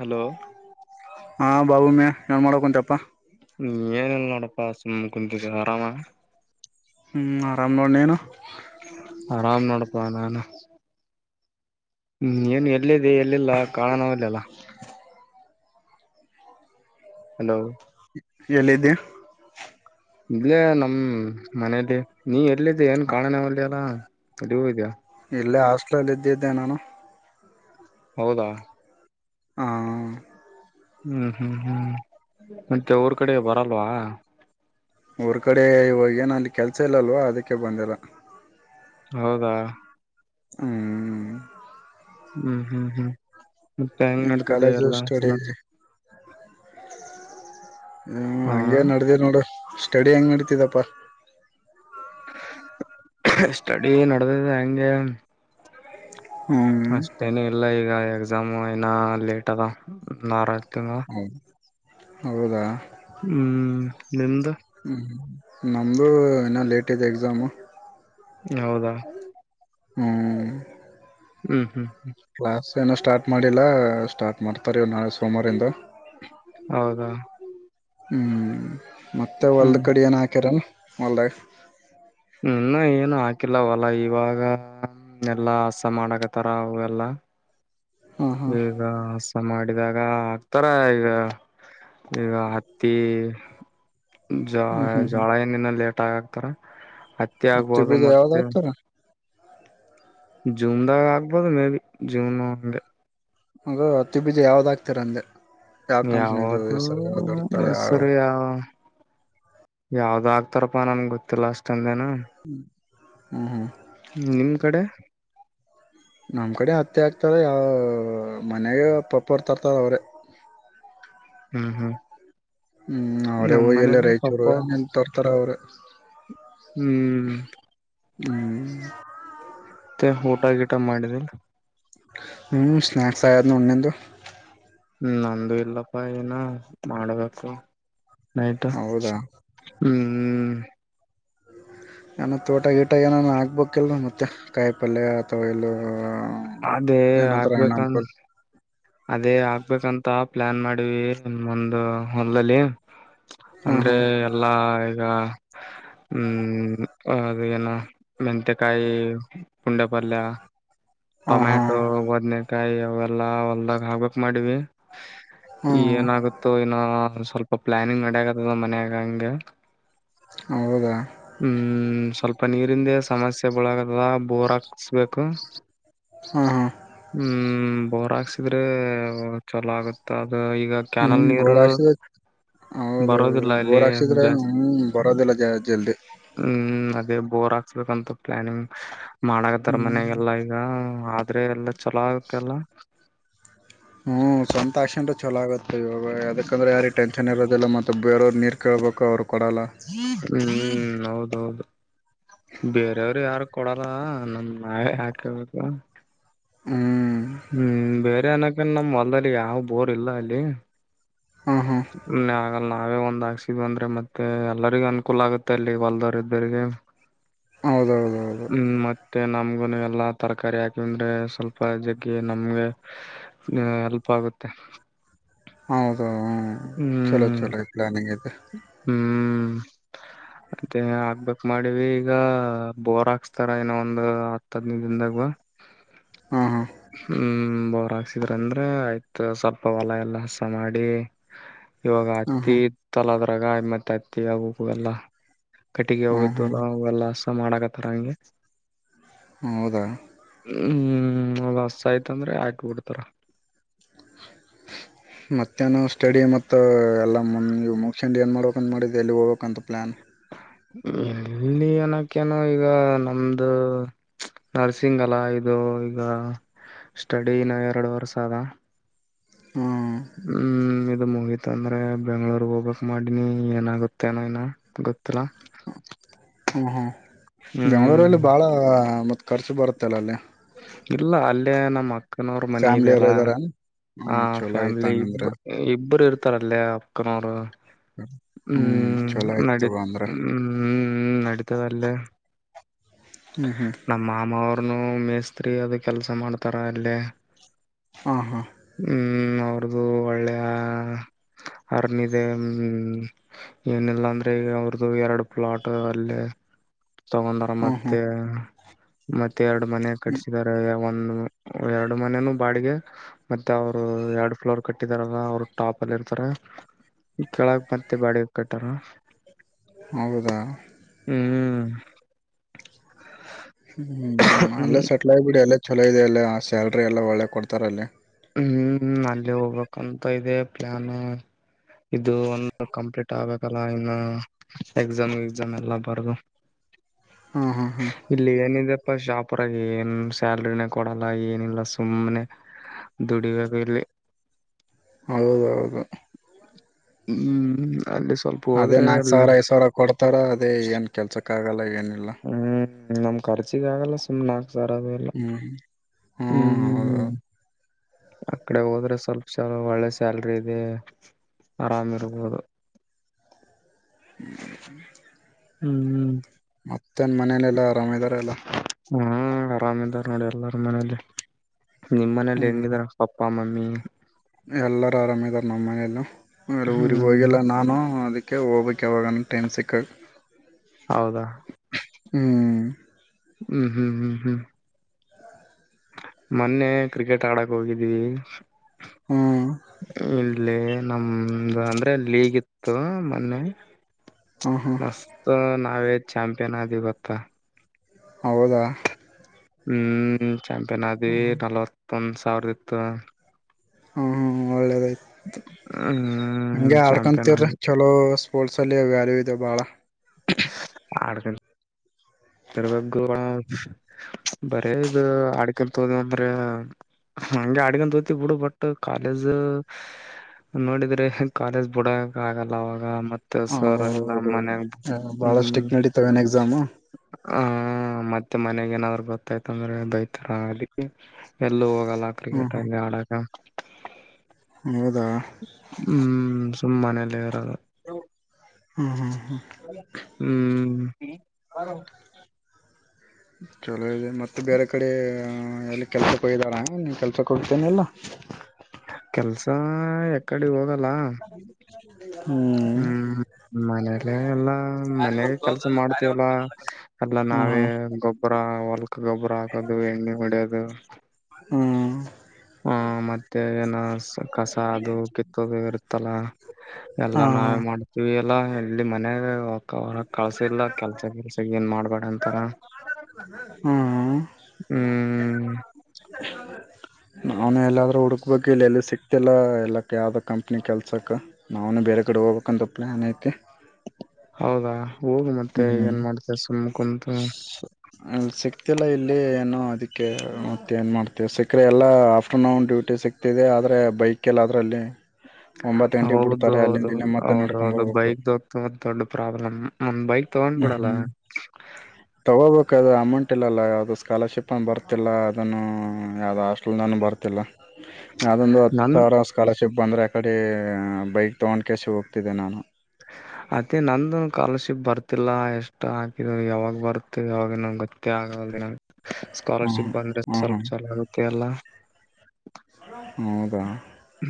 Hello ಹಾ ಬಾಬೂ ಮ್ಯ ಏನ್ ಮಾಡಕ ಚಪ್ಪಾ ಏನಲ್ಲ ನೋಡಪ್ಪಾಸಮ ಕುಚ ಆರಾಮ ಹ್ಮ್ ಆರಾಮ್ ನೋಡ್ೇನು ನಾನ ಹ್ಮ್ ಏನು ಎಲ್ಲಿದೆ ಎಲ್ಲಲ್ಲ ಕಾಣಣಲ್ಲಲ್ಲ ಹಲೋ ಎಲ್ಲಿದ್ದ್ಯಾ ಇಲ್ಲೇ ನಮ ಮನೇಲಿ ನೀ ಅಲ್ಲಿದ್ದ ಏನ್ ಕಾಣೋಣವಲ್ಲಿ ಅಲ್ಲ ಅಡಿ ಹೂ ಇದೆಯಾ ಇಲ್ಲೇ ಹಾಸ್ಟಲ್ಲಿ ಎ್ದ ಇದಿದ್ದೇ ನಾನು ಹೌದಾ ಹ್ಮ ಹ್ಮ್ ಹ್ಮ್ ಹ್ಮ್ ಮತ್ತೆ ಅವ್ರ ಕಡೆ ಬರಲ್ವಾ ಊರ ಕಡೆ ಇ ಹೋಗೇನ ಅಲ್ಲಿ ಕೆಲ್ಸ ಇಲ್ಲಲ್ವೋ ಅದಕ್ಕೆ ಬಂದಿಲ್ಲ ಹೌದಾ ಹ್ಮ್ ಹ್ಮ್ ಹ್ಮ್ ಹ್ಮ್ ಮತ್ತೆ ಹೆಂಗ್ ಇನ್ ನಡ್ತಿದೆ ಕಾಲೇಜು ಎಲ್ಲ ಸ್ಟಡಿ ಹ್ಮ ಹಾ ಹಂಗಗೆ ನಡ್ದ ನೋಡು ಸ್ಟಡಿ ಹೆಂಗ್ ನಡತಿದಪ್ಪಾ ಸ್ಟಡಿ ನ ನ ಭಂಗ [unintelligible] ಹ್ಮ್ ಅಷ್ಟೇನೆ ಎಲ್ಲ ಈಗ ಎಕ್ಸಾಮ್ ಅಐನ ಲೇಟ್ ಅದ ನಾರ ತಿಂಗಳ ಹ್ಮ್ ಹೌದಾ ನಿಂದ ಹ್ಮ್ ನಮ್ದು ಏನ ಲೇಟ್ ಇದೆ ಎಕ್ಸಾಮು ಹೌದಾ ಹ್ಮ್ ಹ್ಮ್ ಹ್ಮ್ ಕ್ಲಾಸ್ ಏನೋ ಸ್ಟಾರ್ಟ್ ಮಾಡಿಲ್ಲ ಸ್ಟಾರ್ಟ್ ಮಾಡ್ತಾರೆ ನಾಳೆ ಸೋಮಾರಿಂದ ಹೌದಾ ಹ್ಮಞೂ ಮತ್ತೆ ಹೊಲ್ದ ಹ್ಮ್ ಕಡೆ ಏನು ಹಾಕ್ಯರ ಮಲ್ದಾಗ ಇನ್ನು ಏನು ಹಾಕಿಲ್ಲವಲ್ಲ ಇವಾಗ ಎಲ್ಲಾ ಹಸ ಮಾಡಕತಾರ ಅವಗೆಲ್ಲ ಹಾ ಹಾ ಈಗ ಹಸ ಮಾಡಿದಾಗ ತರ ಈಗ ಈಗ ಹತ್ತಿ ಜಾ ಹ್ಮ್ ಹ್ಮ್ ಜಾಳ ಏನ ಇ ಲೇಟ್ ಆಗ ತ್ತರ ಹತ್ತೆ ಬಿದ ಯಾವದಾಗತರ ಜುಮದಾಗ ಆಾಗಬೋದು ಮೇ ಬಿ ಜುಮ ಹಗ ಅತ್ತು ಬೀಜ ಯಾವ್ದಾಗ್ತೀರ ಅಂದೆ ಯಾವ ಕಂಪ್ನಿದು ಯಾವದುೂ ಹೆಸರು ಯಾವ್ದ್ ಇರ್ತಾರೆ ಹೆಸರು ಯಾವ ಯಾವ್ದ ಆಗ್ತಾರಪ್ಪಾ ನನ್ಗೆ ಗೊತ್ತಿಲ್ಲ ಅಷ್ಟಂದೆ ಹ ಹ್ಮ್ ಹ್ಮ್ ಹ್ಮ ನಿಮ್ ಕಡೆ ನಮ್ ಕಡೆ ಹತ್ತೆ ಆಗ್ತಾರ ಯಾವ ಮನೆಾಗ ಪಪ್ಪ ಹೊರ್ ತರ್ತಾರ ಅವ್ರೆ ಹ್ಮ್ ಹ್ಮ್ ಹ್ಮ್ ಅವ್ರೇ ನಮ್ ಮನ ಹೋಗಿಯಲ್ಲ ಪಪ್ಪ ರಾಯಚೂರು ನೀನ್ ತೋರ್ತಾರ ಅವ್ರರು ಹ ಹ್ಮ್ ಹ್ಮ್ ಹ ಗಟ ಗಿಟ ಮಾಡಿದಿಲ್ಲ ಹ ಸ್ನ್ಯಕ್ಸ್ ಆಯಾದ ನ್ಣದು ನಂದು ಇಲ್ಲಪ್ಪಾ ಏನ ಮಾಡ್ಬೇಕು ನತಾ ಹೌದಾ ಹ್ಮ್ ಹ್ಮ್ ಏನ ತೋಟ ಗೀಟ ಏನಾನ ಆಗ್ಬೇಕಕ್ಲ್ ಮತ್ತೆ ಕಾಯಿ ಪಲ್ಯ ಅಥವಾ ಇಲ್ಲ ಅದೇ ಏನಂತರ ಹಣ್ಣ ಆಗ್ಬೇಕನ್ ಹಂಪಲ್ ಅದೇ ಆಗ್ಬೇಕಂತ ಪ್ಲಾನ್ ಮಾಡಿವವಿ ಒಂದು ಹೊಲ್ಲ್ಲಿ ಹಾ ಅಂದ್ರೆ ಎಲ್ಲಾ ಈಗ ಹ್ಮ್ ಹ ಮೆಂತೆ ಕಾಯಿ ಪುಂಡ್ಯ ಪಡಲ್ಲ ಹಾ ಹಾ ಹಾ ಟೊಮ್ಯಾಟೊ ಒದ್ನೇ ಕಾಯಿ ಅವೆಲ್ಲಾ ಹೊಲ್ದಾಗ್ ಹಾಬೇಕಕ್ ಮಾಡವಿ ಹ್ಮ ಏನಾಗುತ್ತೋ ಇನ್ನ ಒ ಸ್ವಲ್ಪ ಪ್ಲಾನಿಂಗ್ ಅಡಗತದ ಮನ್ಯಾಗ ಹಂಗೆ ಹೌದಾ ಹ್ಮ್ ಸ್ವಲ್ಪ ಪ್ಪ ನೀರಿಂದ ಸಮಸ್ಯೆ ಬಳಗದ ಬೋರ್ ಹಾಕ್ಸ್ಬೇಕು ಹಾ ಹಾ ಹ್ಮ್ ಬರ ಚಲೋ ಆಗುತ್ತ ಅದು ಈಗ ಕ್ಯಾನಲ್ ಹ್ಮ್ ನೀರು ಬೋರ್ ಹಾಕ್ಸಿದ್ರ ಹೌದೌದು ಬರೋದಿಲ್ಲ ಇಲ್ಲಿ ಬೋರ್ ಹಾಕ್ಸಿದ್ರೆ ಜಾಸ್ತಿ ಹ್ಮ ಬರೋದಿಲ್ಲ ಜಲ್ದಿ ಹ್ಮ್ ಅದೇ ಬೋರ್ ಹಾಕ್ಸ್ಬೇಕಂತ ಪ್ಲಾನಿಂಗ್ ಮಾಡಕತ್ತಾ ಹ್ಮ್ ಮನೆಗೆಲ್ಲ ಈಗ ಆದ್ರೆ ಎಲ್ಲ ಚಲೋ ಆಗತ್ತೆಲ್ಲ ಗ ಅದಕಂದ್ರ ಯಾರಿ ಟನ್ ಇರತ್ತೆ ಇದೆಲ್ಲ ಮತ್ತೆ ಬೇರವರು ನೀರ್ ಕೇೇಳಬೇಕು ಅವ್ರರು ಹ್ಮ್ ಹೌದು ಹೌದು ಬೇರೆಯವರು ಯಾರು ಕೊಡಲ್ಲ ನಮ್ ನೆ ಯಾಕೆಬೇಕದು ಹ್ಮ್ ಹ್ಮ್ ಬೇರೆ ಏನ ನಮ್ ಹೊಲ್ದಲ್ಲಿ ಯಾವ್ ಬೋರ್ ಇಲ್ಲ ಅಲ್ಲಿ ಹಾಂ ಹಾಂ ನಾಗ. ನಾವೇ ಒಂದ್ ಆಾಕ್ಸಿದ್ ಅಂದ್ರೆ ಮತ್ತೆ ಎಲ್ಲರಿಗೂ ಅನುಕೂಲ ಆಗುತ್ತೆ ಅಲ್ಲಿ ಬಲ್ದವರು ಇದ್ದರಿಗೆ. ಹೌದೌದೌದು ಹ್ಮ್ ಮತ್ತೆ ನಮ್ಗೆ. ಎಲ್ಲಾ ತರಕಾರಿ ಹಾಕಿದ್ರೆ ಸ್ವಲ್ಪ ಜಗ್ಗ ನಮ್ಗೆ ಹೆಲ್ಪ್ ಆಗುತ್ತೆ. ಹೌ. ಹ ಹ್ಮ್ ಚಲೋ ಚಲೋ ಇಕ್್ಲಾನಿಂಗ ಇದು. ಹ್ಮ್ ಮತ್ತೆ ಹಾಕ್ಬೇಕಕ್ ಮಾಡಿವ ಈಗ ಬೋರ್ ಹಾಕ್ಸ್ತಾರ ಏನೋ ಒಂದು್ ಹತ್ ಹದ್ನೈ ದನ್ದಾಗ. ಹಾಂ ಹಾಂ ಹ್ಮ್ ಬರ. ಹಸಿದ್ರ ಅಂದ್ರೆ ಆಯ್ತ ಸ್ವಲ್ಪ ಹೊಲ ಎಲ್ಲ ಹಸ ಮಾಡಿ. ಇವಾಗ ಹತಿ ಹಾಂ ತಲದ್ರ. ಗಾಯಿ ಮತ್ತೆ ಹತ್ತ ಆಗು ಎಲ್ಲ. ಕಟ್ಟಿಗೆ ಹಾಂ ಹ್ಞೂ ಹ್ಞೂ ಹೋಗಿದ್ದುಲ್ಲಲ್ಲ. ಸ ಮಾಡಕತ್ತಾರ ಹಂಗೆ. ಹೌದ. ಹ್ಮ್ ಅದು ಹಸ ಆಯ್ತಂದ್ರೆ ಆಯಕಬ ಬಿಡ್ತಾರ. ಮತ್ತ್ಯಾನ ಸ್ಟಡಿ ಮ ಎಲ್ಲ ಇವು ಮುಗಸಂಡಿ ಏನ್ ಮಾಡ್ಬೇಕಂತ ಮಾಡಿದ್ದ ಎಲ್ಲಿ ಹೋಗ್ಬೇಕಂತ ಪ್ಲ್ಲಾನ್. ಇಲ್ಲಿ ಏನಕ್ಕೇನೋ ಈಗ ನಮ್ದು ನರ್ಸಿಂಗ್ ಅಲ್ಲ ಇದು ಈಗ ಸ್ಟಡಿನ ಎರಡು ವರ್ಷ ಅದ. ಹ್ಞೂ ಹ್ಮ್. ಮುಗೀತ ಅಂದ್ರೆ ಬೆಂಗ್ಳೂರ್ ಹೋಗ್ಬೇಕಕ್ ಮಾಡಿನಿ ಏನಾಗತ್ತೇನೋ ನ ಗೊತ್ತಿಲ್ಲಾ. ಹಾ ಹಾ. ಹ್ಮ್ ಬೆಂಗಳೂರಲ್ಲಿ ಬಾಳ ಮತ್ತ. ಖರ್ಚು ಬರುತ್ತಲ್ಲ ಅಲ್ಲೇ. ಇಲ್ಲ ಅಲ್ಲೇ ನಮ್ಮ ಅಕ್ಕ. ಅಕ್ಕನವ್ರ ಮನೆ ಫ್ಯಾಮ್ಲಿ ಎಲ್ಲ ಇದೆಯಲ್ಲ ಇದ್ದಾರ ಆ ಹ್ಮ ಚಲೋ ಆಯ್ತ ಫ್ಯಾಮಿಲಿ ಇ ಹಂಗಂದ್ರ ಇಬ್ಬರು ಇರ್ತ. ಥರಲ್ಲ ಅಕ್ಕನವರು. ಹ್ಮ್ ಚಲೋ ಆಯ್ತ ನ ತಗೋ ಅಂದ್ರ ಹ್ಮ್್ಮ್ಮ ನತದಲ್ಲ. ಹ್ಮ್ ಹ್ಮ್ ನಮ್ಮ ಮಾಮ ಅವರು. ಅವ್ರನು ಮೇಸ್ತ್ರಿ ಅದು ಕೆಲಸ ಮಾಡ್ತಾರ ಅಲ್ಲೇ. ಹಾ ಹಾ. ಹ್ಮ್ ಅವ್ರದುು ಒಳ್ಳೆಯ ಅರ್ನ್ ಇದೆ ಹ್ಮ ಏನಿಲ್ಲ ಅಂದ್ರೆ ಅವ್ರದುು ಎರಡು ಪ್ಲಾಟ್ ಅಲ್ಲೇ. ತಗೊಂಡರ ಹ್ಮ್ ಮತ್ತೆ. ಹ್ಮ್ ಮತ್ತೆ. ಎರಡು ಮನೆ ಕಟ್ಟಿಸಿದ್ದಾರೆ. ಒ ಎರಡು ಮನನುೂ ಬಾಡಿಗೆ ಮತ್ತೆ ಅವ್ರು ಎರಡು ಫ್ಲೋರ್ ಕಟ್ಟಿದಾರಲ್ಲ ಅವರು ಟಾಪ್ ಅಲ್ಲಿ ಇರ್ತಾರ ಕೆಳಗ್ ಮತ್ತೆ ಬಾಡಿಗೆ ಕಟ್ಟಾರ. ಹರದ. [inaudible] ಹ್ಮ್ ಹ್ಮ್ ಅಲ್ಲ ಸೆಟ್ಲ ಆಗಬಿಡಿ ಅಲ್ಲ ಚಛಲೋ ಇದೆ ಅಲ್ಲ ಆ ಸ್ಯಾಲ್ರಿ ಎಲ್ಲ ಒಳ್ಳೆ ಕೊಡ್ತಾರಲ್ಲಿ ಹ್ಮ್ ಅಲ್ಲಿ ಹೋಗ್ಬೇಕಂತ ಇದೆ ಪ್ಲಾನ್ ಇದು ಒಂದು ಕಂಪ್ಲೀಟ್ ಆಗ್ಬೇಕಲ್ಲ ಇನ್ನು ಎಕ್ಸಾಮ್ ಎಕ್ಸಾಮ್ ಎಲ್ಲಾ ಬಾರದು ಹಾ ಹಾ ಹಾ ಶಾಪರಾಗ ಏನ್ ಸ್ಯಾಲ್ರಿಿನ ಕೊಡಲ್ಲ ಏನಿಲ್ಲ ಸುಮ್ಮ್ನೆ ದುಡಿುವಾಗಲೆ ಹೌದು ಹೌದು ಹ್ಮ್ ಸ್ವಲ್ಪ ಅದೇ ಹೋದ್ರೆ ನಾಕ್ ಅಲ್ಲಿ ಸಾವಿರ ಐದ್ ಸಾವಿರ ಕೊಡ್ತಾರ ಅದೇ ಏನ್ ಕೆಲ್ಸಕ್ಕೆ ಕಾಗಾಲಯನ್ನು ಲ್ಲ ಹ್ಮ್ ನಮ್ ಖರ್ಚಗಲ್ಲ ಸುಮ್ ಸರ ಅದೇಲ್ಲ ಹ್ಮ್ ಹ್ಮ್ ಹ್ಮ ಹ್ಮ್ ಅ ಕಡೆ ಹೋದ್ರೆ ಸ್ವಲ್ಪ ಸಲ ಒಳ್ಳೆ ಸ್ಯಾಲ್ರಿ ಇದೆ ಆರಾಮಿರ್ಬೋದು [inaudible] ಹ್ಮ್ ಹ್ಮ್ ಮತ್ತೇನ್ ಮನೇಲೆಲ್ಲ ಆರಾಮ್ ಇದ್ದಾರ ಎಲ್ಲ ಆರಾಮ್ಾರ ನೋಡಿ ಎಲ್ಲಾರ ಮನೇೆಯಲ್ಲಿ ನಿಮ್ಮ್ ಮನೇಲಿ ಹೆಂಗಿದಾರ ಅಪ್ಪ ಮಮ್ಮಿ ಎಲ್ಲರ ಆರಾಮ್ ಇದಾರ ನಮ್ಮ ಮನಲ್ಲ ಊರಿರಿಗೆ ಹ್ಮ್ ಹೋಗಲ್ಲ ನಾನು ಅದಕ್ಕೆ ಹೋಗ್ಕ್ ಯಾವಾಗ ಟೈಮ್ ಸಿಕ್ ಕೆ ಹೌದಾ ಹ್ಮ್ ಹ್ಮ್ ಹ್ಮ್ ಹ್ಮ್ ಹ್ಮ್ ಮೊನ್ನೆ ಕ್ರಿಕೆಟ್ ಆಡಕ್ ಹೋಗಿದ್ವಿ ಹ್ಮ್ [inaudible] ಅಲ್ಲಿ ನಮ್ದ ಅಂದ್ರೆಲ್ಲಿ ಲೀಗಿತ್ತು ಮೊನ್ನೆ ಹ್ಮ್ ಹ್ಮ್ ಮಸ್ತ ನಾವ ಚಾಂಪಿಯನ್ ಆದವಿ ಗೊತ್ತಾ ಹೌದಾ ಹ್ಮ್ ಚಾಂಪಿಯನ್ ಅಡಿವಿ ನಲವತ್ ಒಂದು ಸಾವಿರ ಇತ್ತು ಹ್ಮ ಹ್ಮ ಒಳ್ಳೇದ ಹ್ಮ್ ಹಂಗೆ ಚಾಂಪಿಯನ್ ಆಡ್ಕೊಂತರ ಆದ್ವಿ ಚಲೋ ಸ್ಪೋರ್ಟ್ಸಲ್ಲಿ ವ್ಯಾಲ್ಯೂ ಇದೆ ಭಾಳ ಆಕ ತವ ಬರೇ ಇದು ಆಡ್ಕನ್ ತೋದ ಅಂದ್ರ ಹಂಗೆ ಆಡ್ಕ ತೋತ ಬಿಡು ಬಟ್ ಕಾಲೇಜ್ ನೋಡಿದ್ರೆ ಕಾಲೇಜ್ ಬಿಡಕ ಆಗಲ್ಲ ಅವಾಗ ಮತ್ತೆ ಹ ಸರ್ ಎಲ್ಲ ಹೌದ ಮನ್ಯಾಗ ಬಾಳ ಸ್ಟಿಕ್ ನಡತವ ಏನ್ ಎಕ್ಸಾಮ್ ಹ ಮತ್ತೆ ಮನೆಾಗ ಏನಾದ್ರು ಗೊತ್ತಾಯ್ತ ಅಂದ್ರೆ ದೈತಾರ ಅಲ್ಲಿ ಎಲ್ಲೂ ಹೋಗಲ್ಲ ಹ್ಮ್ ಕ್ರಿಕೆಟ್ ಅಲ್ಲಿ ಆಡಕ ಹ್ಮ್ ಹೌದಾ ಹ್ಮ್ ತುಂಬ ಮನಲ್ಲ ಇರಲ್ಲ ಹ್ಮ್ ಹ್ಮ್ ಹ್ಮ್ ಹ್ಮ್ ಚಲ ಮತ್ತೆ ಬೇರೆ ಕಡೆ ಎಲ್ಲಿ ಕೆಲಸಕ್ಕೆ ಹೋಗ್ದಾರ ನೀನ್ ಕೆಲಸ ಕೊಡ್ತೇನೆಲ್ಲ ಕೆಲ್ಸ ಯಕಡೆ ಹೋಗಲ್ಲ ಅ ಹ್ಮ್ ಮನೇಲೆ ಎಲ್ಲಾ ಮನಾಗ ಕೆಲ್ಸ ಮಾಡ್ತೀವಲ್ಲ ಎಲ್ಲ ಹ್ಮ್ ನಾವೇ ಹ್ಮ್ ಗೊಬ್ಬರ ಹೊಲ್ಕ್ ಗೊಬ್ಬರ ಹಾಕೋದು ಎಣ್ಣೆ ಹೊಡ್ಯೋದು ಹ್ಮ್ ಹ ಮತ್ತೆ ಏನ ಕಸ ಅದು ಕಿತ್ತೋದು ಇರುತ್ತಲ್ಲ ಹಾ ಎಲ್ಲಾ ನಾವೇ ಮಾಡ್ತೀವಿ ಎಲ್ಲ ಎಲ್ಲಿ ಮನ ಹೊರ ಕಳ್ಸಿಲ್ಲ ಕೆಲ್ಸ ಕೆಲ್ಸ ಏನ್ ಮಾಡ್ಬೇಡ ಅಂತಾರ ಹ್ಮ್ ಹ್ಮ್ ಅವ್ನು ಎಲ್ಲಾದರೂ ಹುಡುಕ್ಬೇಕು ಇಲ್ಲೆಲ್ಲಿ ಸಿಕ್ ಇತ್ತಲ್ಲ ಎಲ್ಲಕ್ಕೆ ಯಾವ್ದ ಕಂಪ್ನಿ ಕೆಲ್ಸಕ್ಕೆ ನಾವುನು ಬೇರೆ ಕಡೆ ಹೋಗ್ಬೇಕಕ್ಂತ ಪ್ಲ್ಯಾನ್ ಐತೆತಿ ಹೌದಾ ಹೋಗ ಮತ್ತೆ ಹ್ಮ್ ಏನ್ ಮಾಡ್ತ ಸುಮ್ ಕುಂತು ಅಲ್ಲಿ ಸಿಕ್ತಿಲ್ಲ ಇಲ್ಲಿ ಏನುೋ ಅದಕ್ಕೆ ಮತ್ತ ಏನ್ ಮಾಡ್ತವಿ ಸಿಕ್ಕರೆೆ ಎಲ್ಲ ಆಫ್ಟರ್ನೂನ್ ಡ್ಯೂಟಿ ಸಿಕ್ತಿದೆ ಆದರೆ ಬೈಕ ಎಲ್ಲ ಅದ್ರಲ್ಲಿ ಹೌದ ಹೌದು ಮತ್ತೆ ನಡ್ಕೊಂಡ್ ಹೌದೌದು ಬರ್ಬೇಕು ಬೈಕ್ ದ ದೊಡ್ಡ ಪ್ರಾಬ್ಲಮ್ಂದ್ ಬೈಕ್ ತಗೊಂಡ್ ಹ್ಮ್ ಬಿಡಲ್ಲ ಹ್ಮ್ ತಗ ದು ಅಮೌಂಟ್ ಇಲ್ಲಲ್ಲ ಯಾವವು ಸ್ಕಾಲರ್ಶಿಪ್ ಅ ಬರ್ತಿಲ್ಲ ಅದನ್ನು ಯಾವ ಟಲ್ ನಾನು ಬರ್ತಿಲ್ಲ ಯಾವುದೊಂದು ನನ್ ಥರ ಸ್ಕಾಲರ್ಶಿಪ್ ಬಂದರೆ ಕಡೆ ಬೈಕ್ ತೊಗೊಂಡ್ ಕಸ ಹೋಗ್ತಿದ್ದೆ ನಾನು ಅತ್ತೇ ನಂದಂದು ಸ್ಕಾಲರ್ಶಿಪ್ ಬರ್ತಿಲ್ಲ ಎಷ್ಟ ಹಾಕಿದ್ರು ಯಾವಾಗ ಬರುತ ಯಾವಾಗ ಗೊತ್ತೇ ಆಗ ದಿನ ಹ್ಞೂ ಸ್ಕಾಲರ್ಶಿಪ್ ಬಂದ್ರೆ ಹ್ಞೂ ಹ್ಞೂ ಸ್ವಲ್ಪ ಚಲ ಆಗತ್ತೆ ಅಲ್ಲ ಹೌದಾ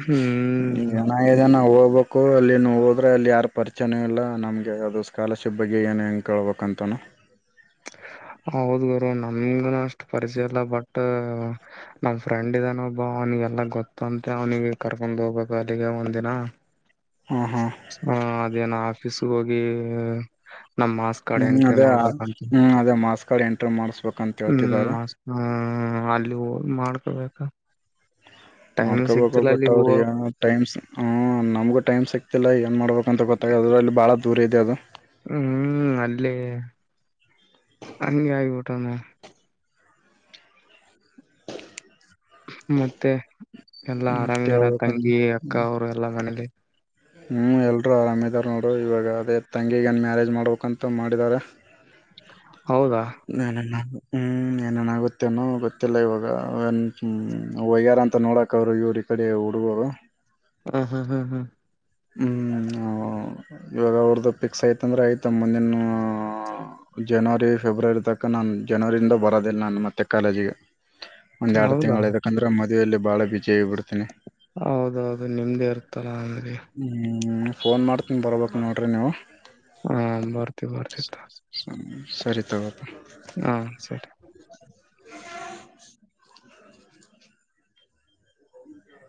ಹ್ಮ್ ಜನ ಜನ ಹೋಗಬ ಕೋ ಅಲ್ಲಿನ ಹೋದ್ರರೆ ಅಲ್ಲಿ ಯಾರು ಪರಿಚಯನವೂ ಇಲ್ಲ ನಮಗೆ ಅದು ಸ್ಕಾಲರ್ಶಿಪ್ ಬಗ್ಗೆ ಏನು ಹೆಂಗೆ ಕೇಳ್ಬೇಕಂತನ ಹೌದ್ ಗರು ನಮಗ ಅಷ್ಟು ಪರಿಚಯ ಇಲ್ಲ ಬಟ್ ನಮ ಫ್ರೆಂಡ್ ಇದ್ದಾನ ಒಬ್ಬ ಅವನಿಗೆಲ್ಲ ಗೊತ್ತಂತೆ ಅವ್ನಿಗೆ ಕರ್ಕೊಂಡ್ ಹೋಗ್ಬೇಕು ಅಲ್ಲಿಗೆ ಒಂದಿನ ಹ್ಮ್ ಹ್ಮ್ ಹಾ ಅದೇನ ಎಸ್ ಹೋಗಿ ನಮ್ ಮಾಸ್ ಕಾರ್ಡ್ ಹ್ಮ್ ಎಂಟ್ರಿ ಅದೇ ಮಾಡ್ಬೇಕಂತ ಹ್ಮ್ ಅದೇ ಮಾರ್ಸ್ ಕಾರ್ಡ್ ಎಂಟ್ರಿ ಮಾಡ್ಸ್ಬೇಕಂತ ಹ್ಮ್ ಹೇಳ್ತಿದ್ದಾರೆ. ಮಸ್ತ್ ಹ್ಮ್ ಅಲ್ಲಿ ಹೋಗ ಮಾಡ್ಕೊಬೇಕ. ಟೈಮ್ ಮಾಡ್ಕೋಬೇಕು, ಸಿಗ್ತಿಲ್ಲ ಬಟ್ ಅಲ್ಲಿಗ್ ಅವ್ರ ಹೋಗಕ್ ಟೈಮ್, ಹು ನಮ್ಗು ಟೈಮ್ ಸಿಕ್ತಿಲ್ಲಾ ಏನ್ ಮಾಡ್ಬೇಕು ಅಂತ ಗೊತ್ತಾಗದ್ರ ಅಲ್ಲಿ ಬಾಳ ದೂರ ಇದೆ ಅದು. ಹ್ಮ್ ಅಲ್ಲೇ ಹಂಗೆ ಆಗ್ಬುಟ್ಟದೆ. ಮತ್ತೆ ಎಲ್ಲಾ ಮತ್ತೆ ಆರಾಮಿದಾರ ಹೇಳ್ಬೇಕ ತಂಗಿ, ಅಕ್ಕ ಅವರು ಎಲ್ಲಾ ಮನೇಲಿ? ಹ್ಮ್ ಎಲ್ರು ಆರಾಮದಾರ್ ನೋಡರು ಇವಾಗ ಅದೇ ತಂಗಿಗೆನ್ ಮ್ಯಾರೇಜ್ ಮಾಡ್ಬೇಕಕ್ಂತ ಮಾಡಿದಾರೆ. ಹೌದಾ ನ ನ ನ ಹ್ಮ್ ಏನೇನಾಗುತ್ತೇನೋ ಗೊತ್ತಿಲ್ಲ ಇವಾಗ ವಯ್ಯಾರ ಅಂತ ನೋಡಕ ಅವರು ಇವರು ಈ ಕಡೆ ಹುಡುಗರು. ಹ್ಮ್ ಹ್ಮ್ ಹ್ಮ್ ಹ್ಮ್ ಹ್ಮ್ ಹಾ ಇವಾಗ ಅವ್ರದ್ದು ಫಿಕ್ಸ್ ಯ್ತಂದ್ರೆ ಆಯ್ತ ಮುಂದಿನ ಅ ಅ ಜನವರಿ ಫೆಬ್ರವರಿ ತಕ ನಾನು ಜನವರಿಯಿಂದ ಬರೋದಿಲ್ಲ ನಾನು ಮತ್ತೆ ಕಾಲೇಜಿಗೆ. ಒಂದ್ ಎರಡು ಹೌದಾ ತಿಂಗಳು ಇದುಕ್ಕಂದ್ರೆ ಮತ್ ಇದ್ರಲ್ಲಿ ಬಾಳ [inaudible] ಬಿಡ್ತೀನಿ. ಹೌದೌದು ನಿಮ್ದೇ. [inaudible] ಹೂಂ ಫೋನ್ ಮಾಡ್ತೀನಿ ಬರಬೇಕು ನೋಡಿರಿ ನೀವು. ಹಾ ಬರ್ತಿವಿ ಬರ್ತಿವಿ ತಾ. ಸರಿ ತಗೋಪ್ಪಾ. ಹಾ ಸರಿ.